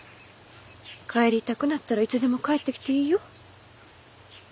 帰りたくなったらいつでも帰ってきていいよ。